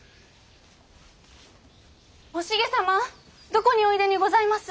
おしげ様どこにおいでにございます？